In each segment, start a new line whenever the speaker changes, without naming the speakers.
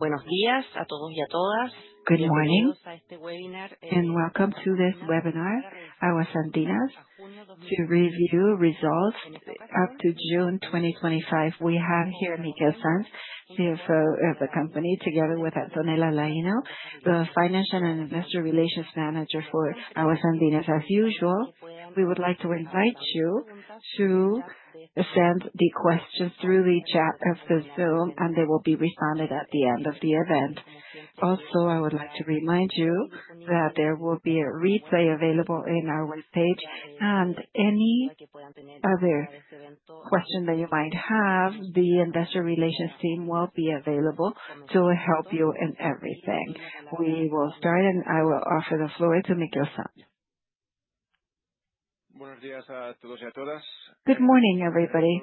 Good morning, and welcome to this webinar, Aguas Andinas, to review results up to June 2025. We have here Miquel Sans, CEO of the company, together with Antonela Laino, the Financial and Investor Relations Manager for Aguas Andinas. As usual, we would like to invite you to send the questions through the chat of the Zoom, and they will be responded at the end of the event. Also, I would like to remind you that there will be a replay available in our webpage, and any other question that you might have, the investor relations team will be available to help you in everything. We will start, and I will offer the floor to Miquel Sans.
Good morning, everybody.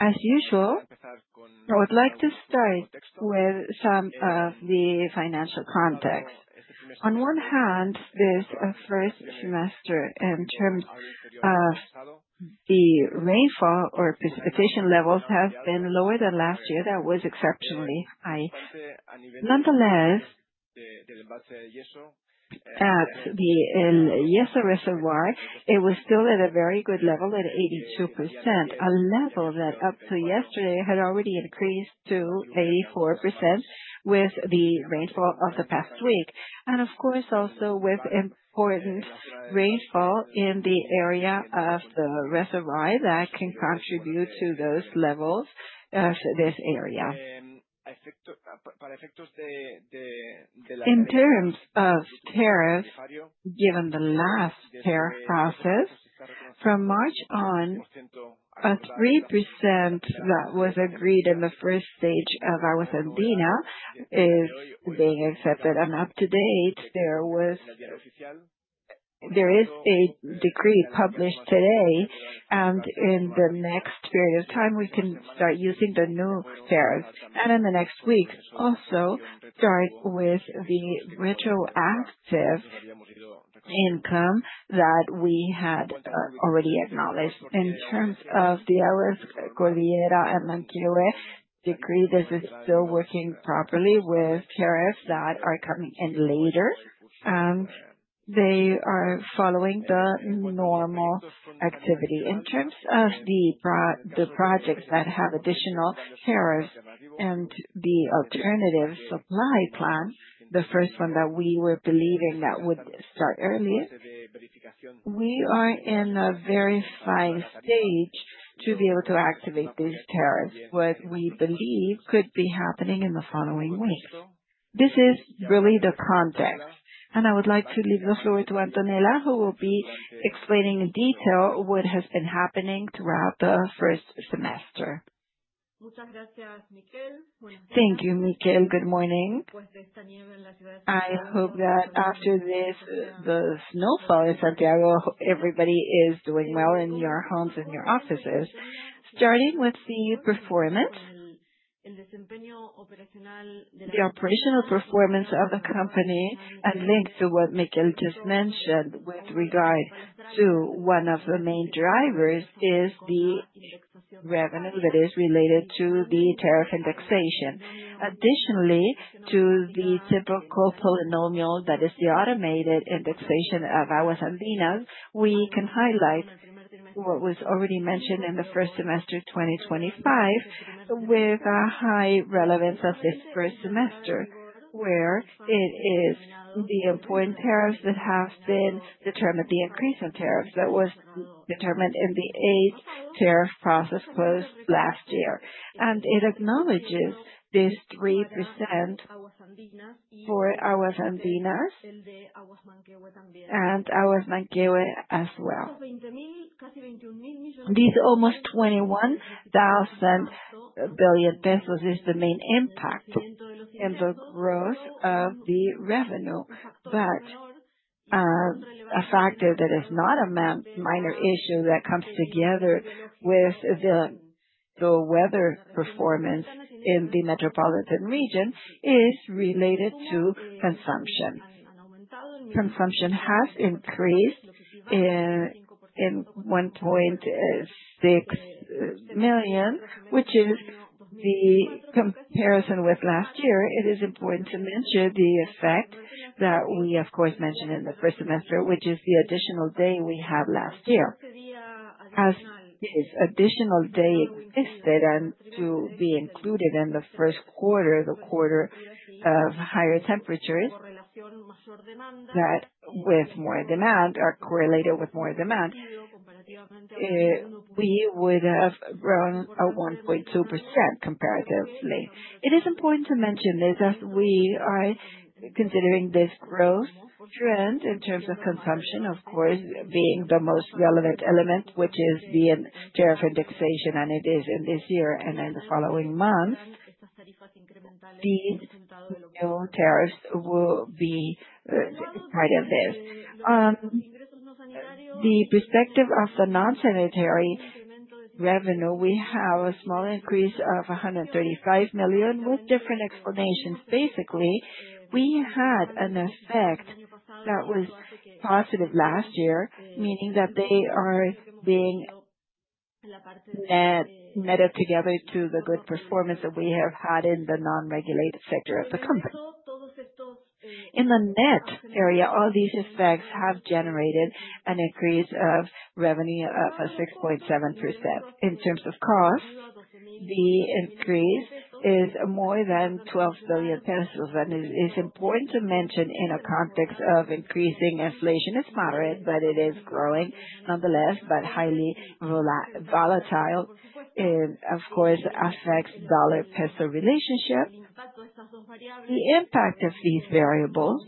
As usual, I would like to start with some of the financial context. On one hand, this first semester in terms of the rainfall or precipitation levels have been lower than last year. That was exceptionally high. Nonetheless, at the El Yeso Reservoir, it was still at a very good level, at 82%, a level that up to yesterday had already increased to 84% with the rainfall of the past week and of course, also with important rainfall in the area of the reservoir that can contribute to those levels of this area. In terms of tariff, given the last tariff process from March on, a 3% that was agreed in the first stage of Aguas Andinas is being accepted. Up to date, there is a decree published today, and in the next period of time, we can start using the new tariffs. In the next weeks also start with the retroactive income that we had already acknowledged. In terms of the Aguas Cordillera and Aguas Manquehue decree, this is still working properly with tariffs that are coming in later, and they are following the normal activity. In terms of the projects that have additional tariffs and the alternative supply plan, the first one that we were believing that would start earlier, we are in a very fine stage to be able to activate these tariffs, what we believe could be happening in the following weeks. This is really the context, and I would like to leave the floor to Antonela, who will be explaining in detail what has been happening throughout the first semester.
Thank you, Miquel. Good morning. I hope that after this snowfall in Santiago, everybody is doing well in your homes and your offices. Starting with the performance, the operational performance of the company and linked to what Miquel just mentioned with regard to one of the main drivers is the revenue that is related to the tariff indexation. Additionally to the typical polynomial, that is the automated indexation of Aguas Andinas, we can highlight what was already mentioned in the first semester 2025, with a high relevance of this first semester, where it is the important tariffs that have been determined, the increase in tariffs that was determined in the eighth tariff process closed last year. It acknowledges this 3% for Aguas Andinas and Aguas Manquehue as well. These almost 21 billion pesos is the main impact in the growth of the revenue. A factor that is not a minor issue that comes together with the weather performance in the metropolitan region is related to consumption. Consumption has increased in 1.6 million, which is the comparison with last year. It is important to mention the effect that we of course mentioned in the first semester, which is the additional day we had last year. As this additional day existed and to be included in the first quarter, the quarter of higher temperatures, that with more demand are correlated with more demand, we would have grown at 1.2% comparatively. It is important to mention this as we are considering this growth trend in terms of consumption, of course, being the most relevant element, which is the tariff indexation, and it is in this year, and in the following months, these new tariffs will be part of this. The perspective of the non-sanitary revenue, we have a small increase of 135 million with different explanations. Basically, we had an effect that was positive last year, meaning that they are being netted together to the good performance that we have had in the non-regulated sector of the company. In the net area, all these effects have generated an increase of revenue of 6.7%. In terms of cost, the increase is more than 12 billion pesos. It is important to mention in a context of increasing inflation is moderate, but it is growing, nonetheless, but highly volatile and of course, affects dollar-peso relationship. The impact of these variables,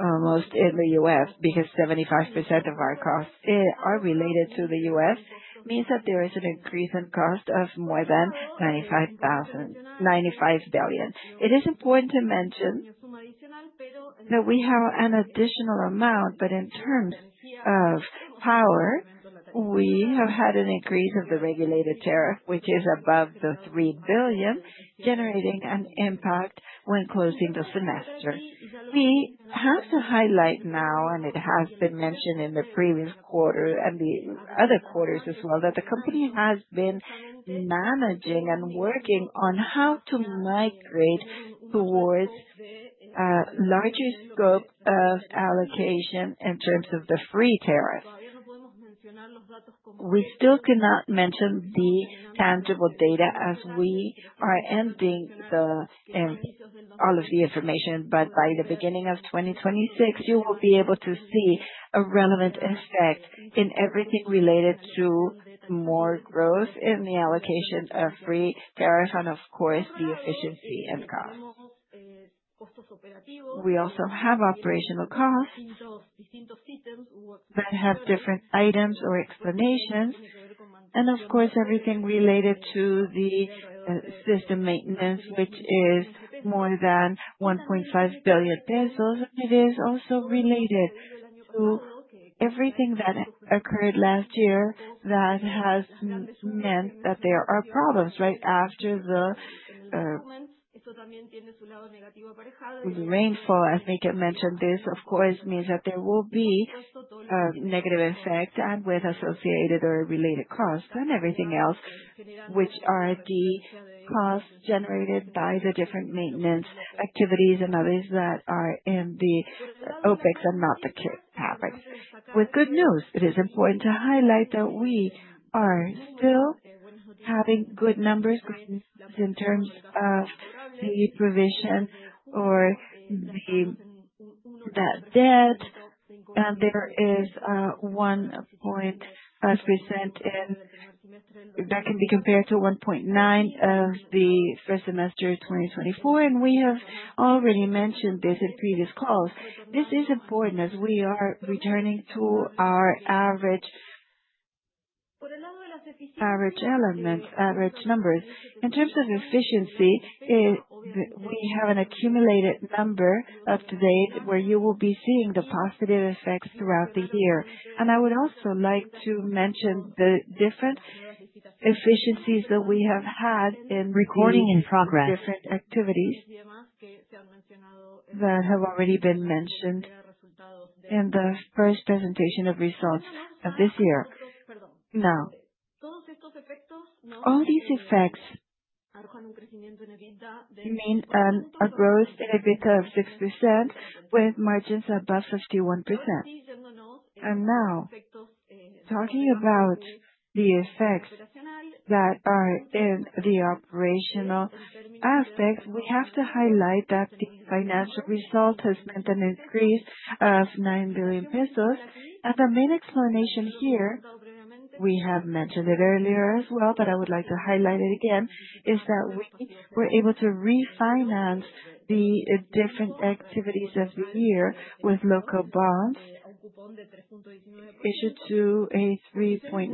almost all in the U.S., because 75% of our costs are related to the U.S., means that there is an increase in cost of more than 95 billion. It is important to mention that we have an additional amount, but in terms of power, we have had an increase of the regulated tariff, which is above 3 billion, generating an impact when closing the semester. We have to highlight now, and it has been mentioned in the previous quarter and the other quarters as well, that the company has been managing and working on how to migrate towards a larger scope of allocation in terms of the free tariff. We still cannot mention the tangible data as we are ending all of the information, but by the beginning of 2026, you will be able to see a relevant effect in everything related to more growth in the allocation of free tariffs and of course, the efficiency and cost. We also have operational costs that have different items or explanations, and of course, everything related to the system maintenance, which is more than 1.5 billion pesos. It is also related to everything that occurred last year that has meant that there are problems right after the rainfall. I think I mentioned this, of course, means that there will be a negative effect and with associated or related costs and everything else, which are the costs generated by the different maintenance activities and others that are in the OpEx and not the CapEx. With good news, it is important to highlight that we are still having good numbers in terms of the provision or the debt. There is 1.5% and that can be compared to 1.9% of the first semester 2024, and we have already mentioned this in previous calls. This is important as we are returning to our average elements, average numbers. In terms of efficiency, we have an accumulated number up to date where you will be seeing the positive effects throughout the year. I would also like to mention the different efficiencies that we have had in different activities that have already been mentioned in the first presentation of results of this year. Now, all these effects mean a growth in EBITDA of 6% with margins above 51%. Now, talking about the effects that are in the operational aspects, we have to highlight that the financial result has meant an increase of 9 billion pesos. The main explanation here, we have mentioned it earlier as well, but I would like to highlight it again, is that we were able to refinance the different activities of the year with local bonds issued to a 3.19%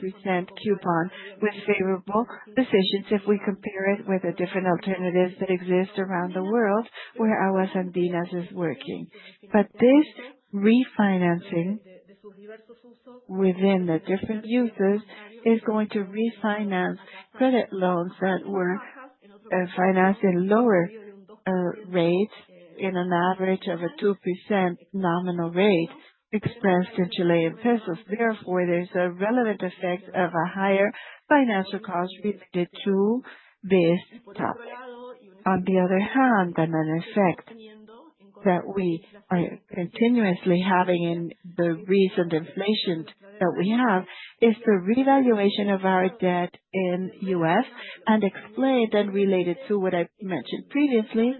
coupon with favorable decisions if we compare it with the different alternatives that exist around the world where Enel is working. This refinancing within the different uses is going to refinance credit loans that were financing lower rates in an average of a 2% nominal rate expressed in Chilean pesos. Therefore, there is a relevant effect of a higher financial cost related to this topic. On the other hand, another effect that we are continuously having in the recent inflation that we have is the revaluation of our debt in U.S. dollar and explained and related to what I mentioned previously,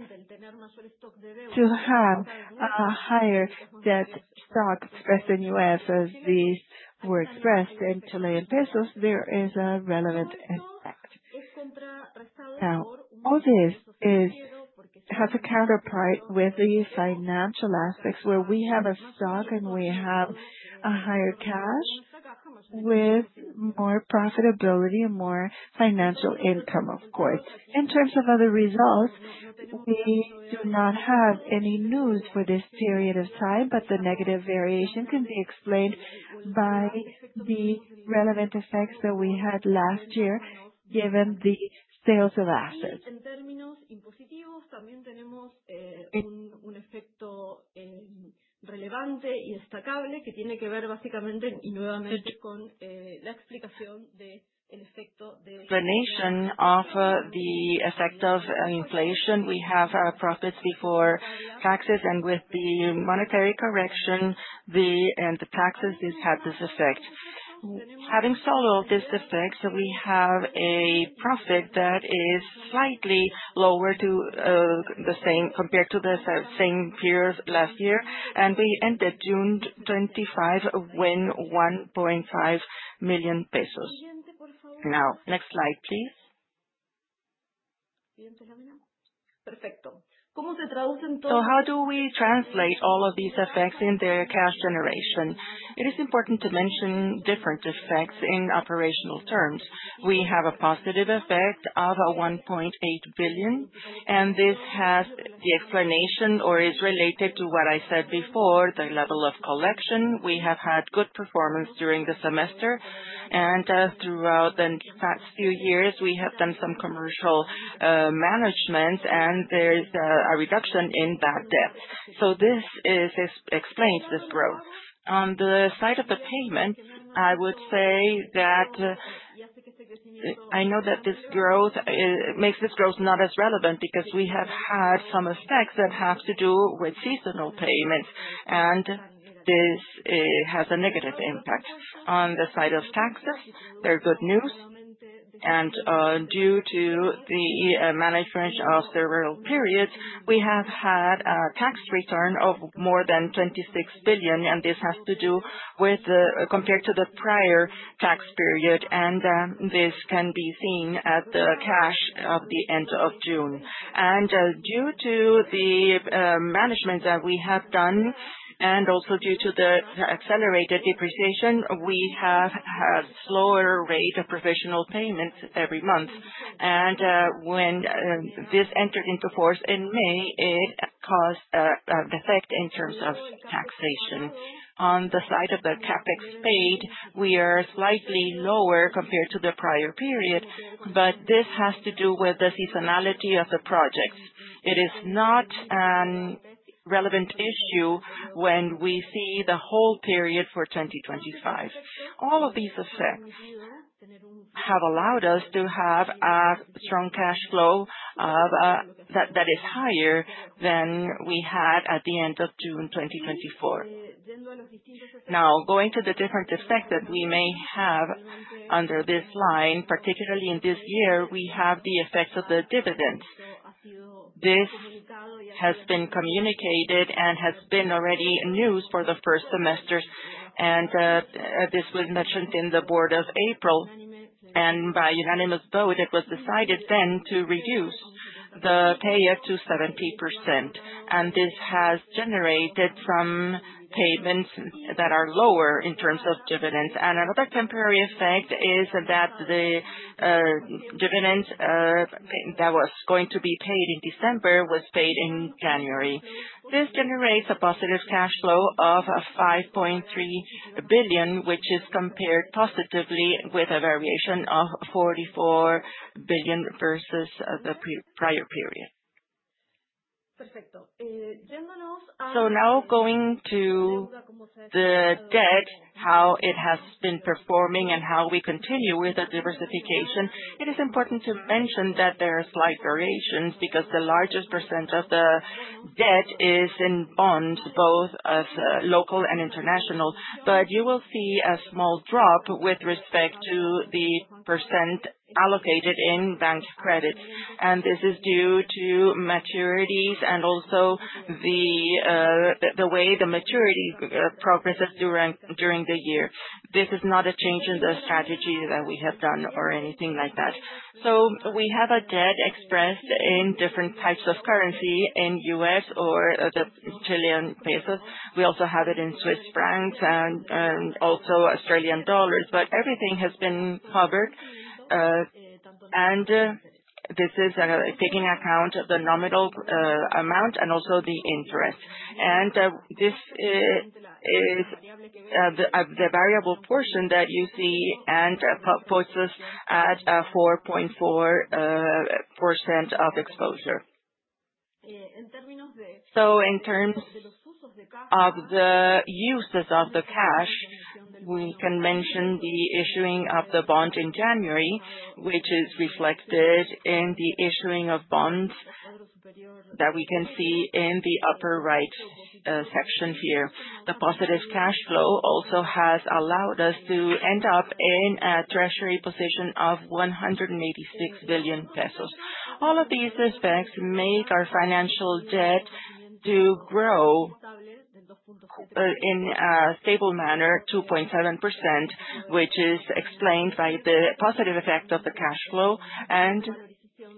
to have a higher debt stock expressed in U.S. dollar as these were expressed in Chilean pesos, there is a relevant effect. Now, all this has a counterpart with the financial aspects, where we have a stock and we have a higher cash with more profitability and more financial income, of course. In terms of other results, we do not have any news for this period of time, but the negative variation can be explained by the relevant effects that we had last year, given the sales of assets The net effect of inflation. We have our profits before taxes and with the monetary correction and the taxes have had this effect. Having felt this effect, we have a profit that is slightly lower, compared to the same period last year, and we ended June 25 with 1.5 million pesos. Now next slide, please. How do we translate all of these effects in the cash generation? It is important to mention different effects in operational terms. We have a positive effect of 1.8 billion, and this has the explanation or is related to what I said before, the level of collection. We have had good performance during the semester and throughout the past few years, we have done some commercial management and there is a reduction in bad debt. This explains this growth. On the side of the payment, I would say that I know that this growth makes this growth not as relevant because we have had some effects that have to do with seasonal payments, and this has a negative impact. On the side of taxes, they're good news. Due to the management of several periods, we have had a tax return of more than 26 billion, and this has to do with compared to the prior tax period. This can be seen in the cash at the end of June. Due to the management that we have done, and also due to the accelerated depreciation, we have had slower rate of provisional payments every month. When this entered into force in May, it caused an effect in terms of taxation. On the side of the CapEx paid, we are slightly lower compared to the prior period, but this has to do with the seasonality of the projects. It is not a relevant issue when we see the whole period for 2025. All of these effects have allowed us to have a strong cash flow of that is higher than we had at the end of June 2024. Now, going to the different effects that we may have under this line, particularly in this year, we have the effects of the dividend. This has been communicated and has been already news for the first semester. This was mentioned in the board of April, and by unanimous vote, it was decided then to reduce the payout to 70%. This has generated some payments that are lower in terms of dividends. Another temporary effect is that the dividend that was going to be paid in December was paid in January. This generates a positive cash flow of 5.3 billion, which is compared positively with a variation of 44 billion versus the pre-prior period. Now going to the debt, how it has been performing and how we continue with the diversification, it is important to mention that there are slight variations because the largest % of the debt is in bonds, both local and international. You will see a small drop with respect to the % allocated in bank credits. This is due to maturities and also the way the maturity progresses during the year. This is not a change in the strategy that we have done or anything like that. We have a debt expressed in different types of currency in U.S. dollars or the Chilean pesos. We also have it in Swiss francs and also Australian dollars. Everything has been covered. And this is taking into account the nominal amount and also the interest. This is the variable portion that you see and puts us at 4.4% of exposure. In terms of the uses of the cash, we can mention the issuing of the bond in January, which is reflected in the issuing of bonds that we can see in the upper right section here. The positive cash flow also has allowed us to end up in a treasury position of 186 billion pesos. All of these effects make our financial debt to grow in a stable manner, 2.7%, which is explained by the positive effect of the cash flow and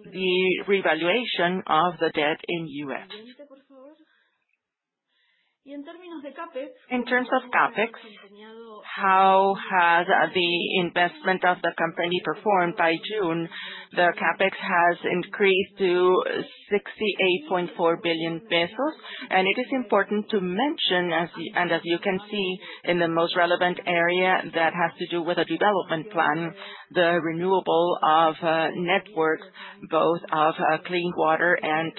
the revaluation of the debt in U.S. dollar. In terms of CapEx, how has the investment of the company performed? By June, the CapEx has increased to 68.4 billion pesos. It is important to mention, as you can see, in the most relevant area that has to do with the development plan, the renewal of the network. Both of clean water and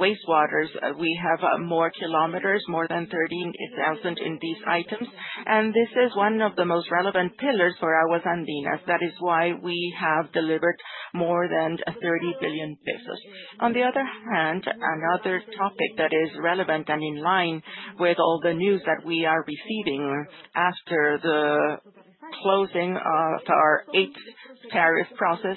wastewaters. We have more kilometers, more than 13,000 in these items. This is one of the most relevant pillars for Aguas Andinas. That is why we have delivered more than 30 billion pesos. On the other hand, another topic that is relevant and in line with all the news that we are receiving after the closing of our eighth tariff process,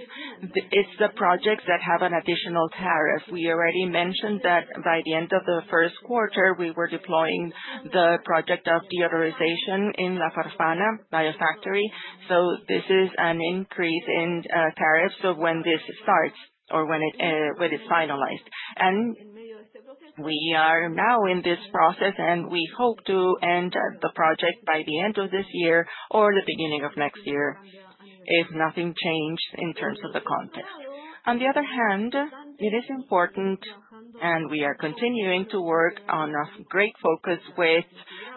it's the projects that have an additional tariff. We already mentioned that by the end of the first quarter, we were deploying the project of deodorization in La Farfana Biofactory. This is an increase in tariffs once this starts or when it's finalized. We are now in this process, and we hope to end the project by the end of this year or the beginning of next year, if nothing changed in terms of the context. On the other hand, it is important, and we are continuing to work on a great focus with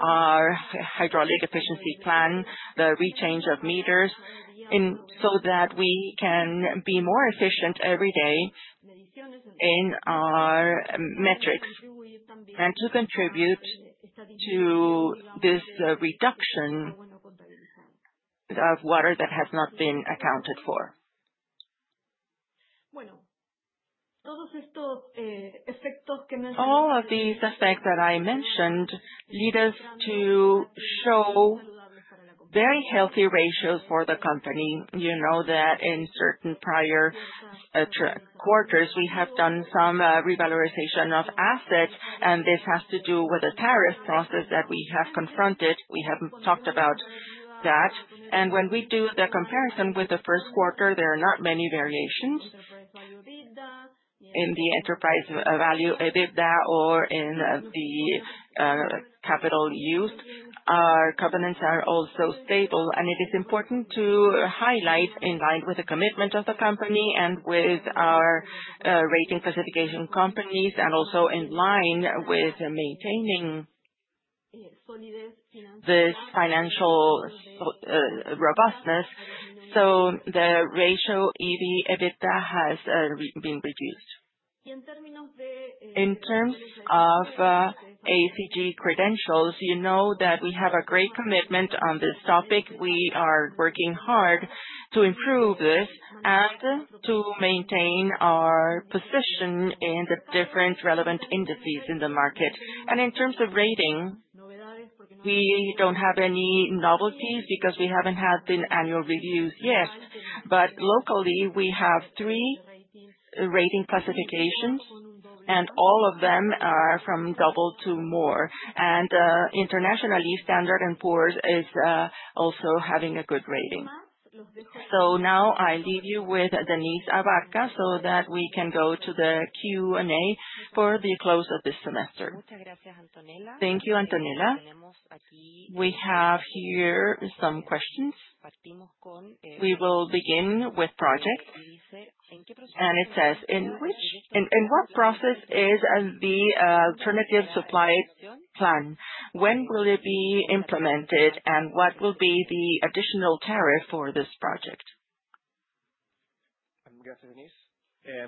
our hydraulic efficiency plan, the replacement of meters, and so that we can be more efficient every day in our metrics and to contribute to this reduction of water that has not been accounted for. All of these aspects that I mentioned lead us to show very healthy ratios for the company. You know that in certain prior quarters, we have done some revalorization of assets, and this has to do with the tariff process that we have confronted. We have talked about that. When we do the comparison with the first quarter, there are not many variations in the enterprise value, EBITDA or in the capital used. Our covenants are also stable, and it is important to highlight, in line with the commitment of the company and with our rating classification companies, and also in line with maintaining this financial robustness, so the EBITDA ratio has been reduced. In terms of ESG credentials, you know that we have a great commitment on this topic. We are working hard to improve this and to maintain our position in the different relevant indices in the market. In terms of rating, we don't have any novelties because we haven't had the annual reviews yet. Locally, we have three rating classifications, and all of them are from double to more. Internationally, Standard & Poor's is also having a good rating. Now I leave you with Denisse Labarca so that we can go to the Q&A for the close of this semester.
Thank you, Antonela. We have here some questions. We will begin with project, and it says, "In what process is the alternative supply plan? When will it be implemented, and what will be the additional tariff for this project?"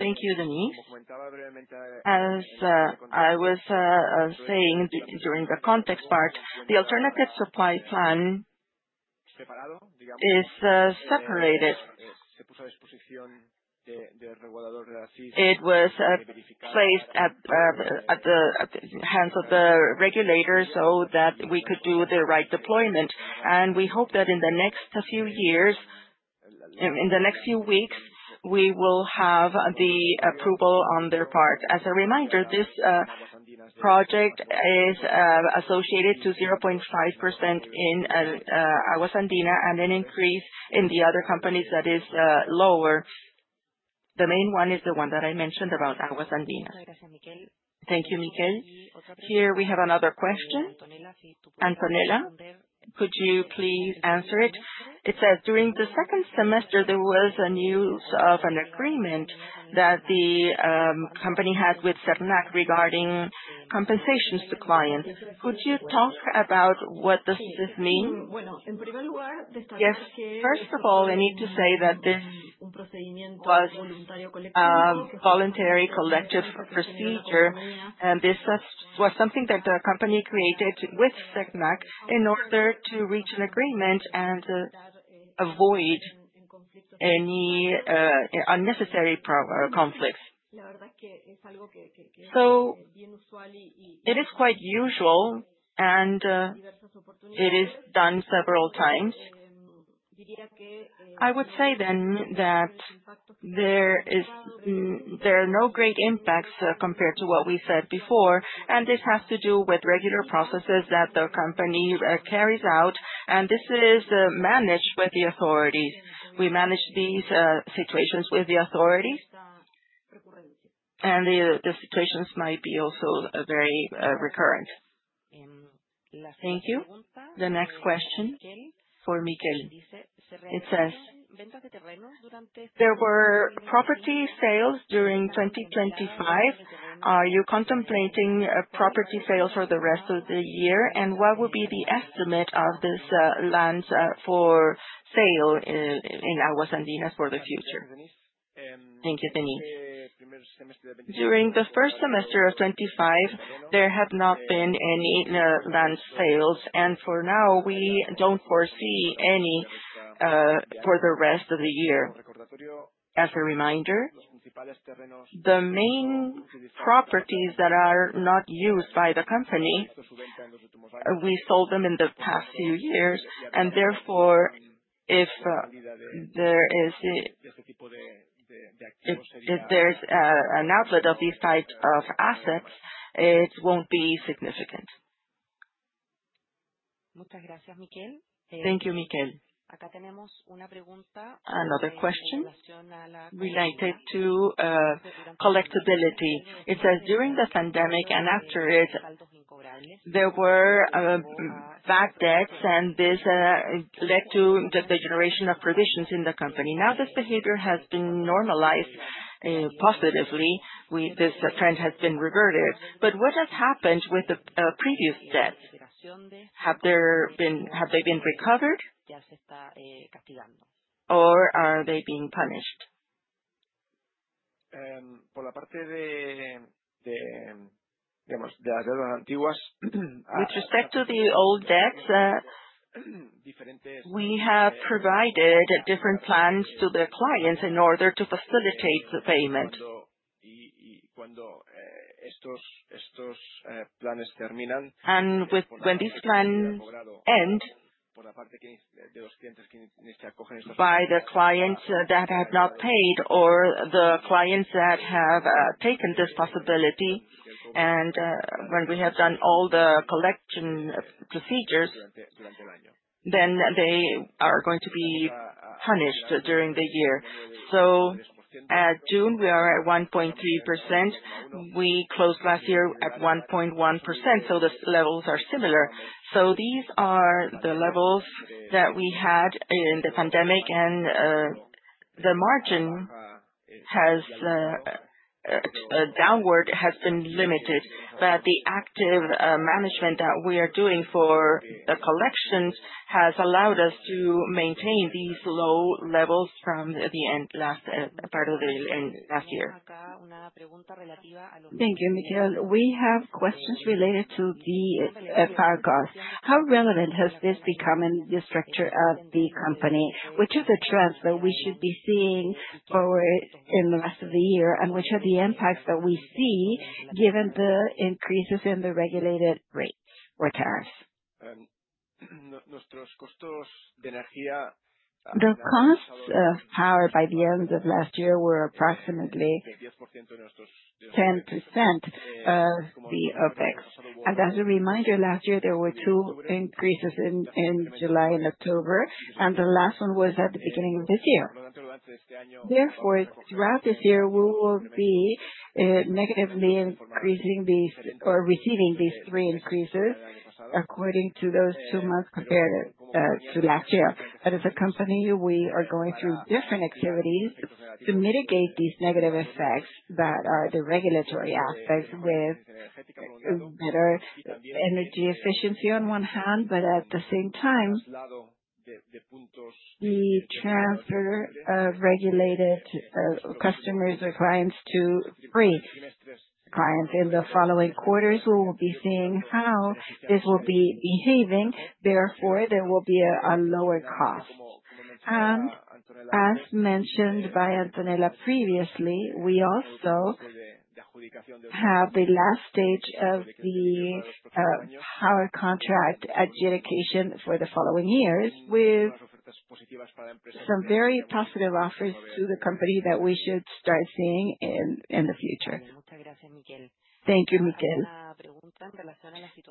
Thank you, Denisse. As I was saying during the context part, the alternative supply plan is separated. It was placed at the hands of the regulators so that we could do the right deployment. We hope that in the next few weeks, we will have the approval on their part. As a reminder, this project is associated to 0.5% in Aguas Andinas and an increase in the other companies that is lower. The main one is the one that I mentioned about Aguas Andinas.
Thank you, Miquel. Here we have another question. Antonela, could you please answer it? It says, "During the second semester, there was news of an agreement that the company had with SERNAC regarding compensations to clients. Could you talk about what does this mean?"
Yes. First of all, I need to say that this was a voluntary collective procedure, and this was something that the company created with SERNAC in order to reach an agreement and avoid any unnecessary conflicts. It is quite usual, and it is done several times. I would say that there are no great impacts compared to what we said before, and this has to do with regular processes that the company carries out, and this is managed with the authorities. We manage these situations with the authorities, and the situations might be also very recurrent.
Thank you. The next question for Miquel. It says, "There were property sales during 2025. Are you contemplating a property sale for the rest of the year? What would be the estimate of this lands for sale in Aguas Andinas for the future?
Thank you, Denisse. During the first semester of 2025, there have not been any land sales, and for now, we don't foresee any for the rest of the year. As a reminder, the main properties that are not used by the company, we sold them in the past few years and therefore, if there is an outlet of these type of assets, it won't be significant.
Thank you, Miquel. Another question related to collectibility. It says, during the pandemic and after it, there were bad debts, and this led to the generation of provisions in the company. Now, this behavior has been normalized positively. This trend has been reverted. What has happened with the previous debts? Have they been recovered or are they being punished?
With respect to the old debts, we have provided different plans to the clients in order to facilitate the payment. When these plans end, by the clients that have not paid or the clients that have taken this possibility, and when we have done all the collection procedures, then they are going to be punished during the year. At June, we are at 1.3%. We closed last year at 1.1%, so those levels are similar. These are the levels that we had in the pandemic and the margin has downward been limited. The active management that we are doing for the collections has allowed us to maintain these low levels from the end last part of the year.
Thank you, Miquel. We have questions related to the FR costs. How relevant has this become in the structure of the company? Which are the trends that we should be seeing forward in the rest of the year? Which are the impacts that we see given the increases in the regulated rates or tariffs?
The costs of power by the end of last year were approximately 10% of the CapEx. As a reminder, last year, there were two increases in July and October, and the last one was at the beginning of this year. Therefore, throughout this year, we will be negatively increasing these or receiving these three increases according to those two months compared to last year. As a company, we are going through different activities to mitigate these negative effects that are the regulatory aspects with better energy efficiency on one hand. At the same time, we transfer regulated customers or clients to free clients. In the following quarters, we will be seeing how this will be behaving. Therefore, there will be a lower cost. As mentioned by Antonela previously, we also have the last stage of the power contract adjudication for the following years, with some very positive offers to the company that we should start seeing in the future.
Thank you, Miquel.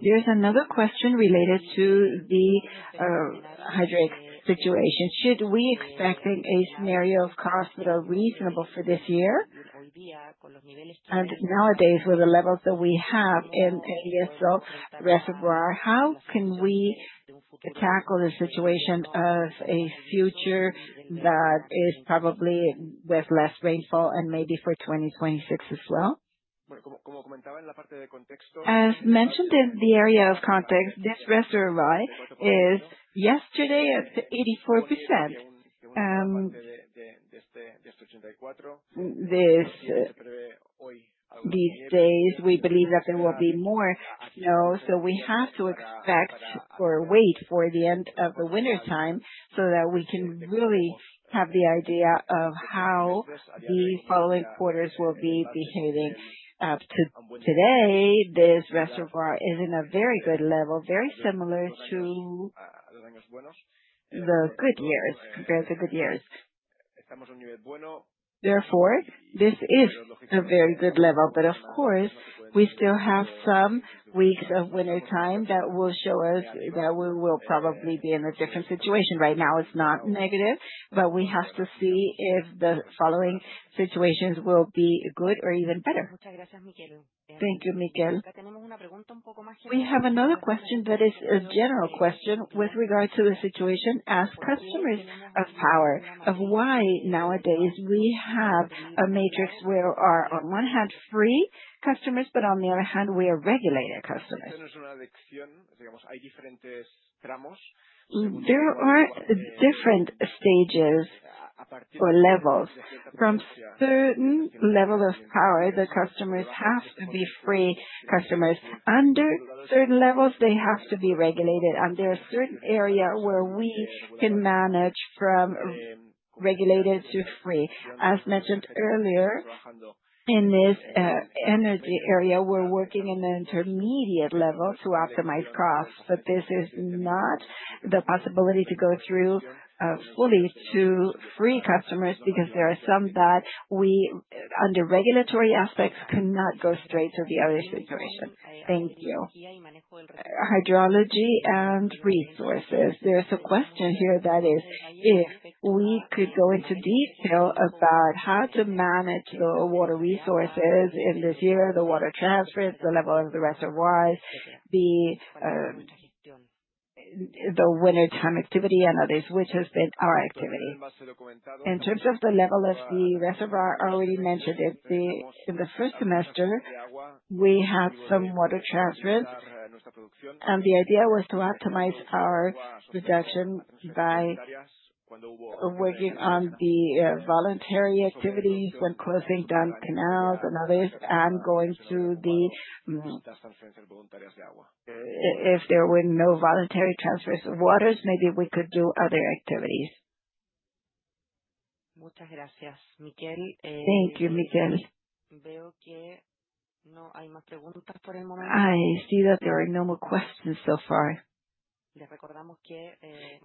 There's another question related to the drought situation. Should we expect a scenario of costs that are reasonable for this year? Nowadays, with the levels that we have in El Yeso Reservoir, how can we tackle the situation of a future that is probably with less rainfall and maybe for 2026 as well?
As mentioned in the context, this reservoir is yesterday at 84%. These days, we believe that there will be more snow, so we have to expect or wait for the end of the wintertime, so that we can really have the idea of how the following quarters will be behaving. Up to today, this reservoir is in a very good level, very similar to the good years, compared to good years. Therefore, this is a very good level. Of course, we still have some weeks of wintertime that will show us that we will probably be in a different situation. Right now, it's not negative, but we have to see if the following situations will be good or even better.
Thank you, Miquel. We have another question that is a general question with regard to the situation as customers of power, of why nowadays we have a matrix where our on one hand, free customers, but on the other hand, we are regulated customers.
There are different stages or levels. From certain level of power, the customers have to be free customers. Under certain levels, they have to be regulated. There are certain area where we can manage from regulated to free. As mentioned earlier, in this energy area, we're working in an intermediate level to optimize costs, but this is not the possibility to go through fully to free customers because there are some that we, under regulatory aspects, cannot go straight to the other situation.
Thank you. Hydrology and resources. There's a question here that is, if we could go into detail about how to manage the water resources in this year, the water transfers, the level of the reservoirs, the wintertime activity and others, which has been our activity.
In terms of the level of the reservoir, I already mentioned it. In the first semester, we had some water transfers, and the idea was to optimize our production by working on the voluntary activities, when closing down canals and others, and going through the, if there were no voluntary transfers of waters, maybe we could do other activities.
Thank you, Miquel. I see that there are no more questions so far.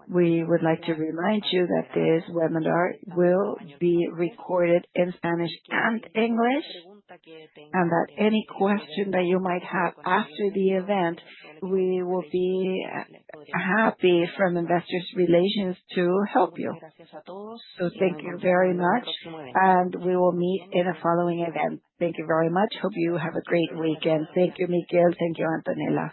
We would like to remind you that this webinar will be recorded in Spanish and English, and that any question that you might have after the event, we will be happy, from Investor Relations, to help you. Thank you very much, and we will meet in a following event. Thank you very much. Hope you have a great weekend. Thank you, Miquel. Thank you, Antonela.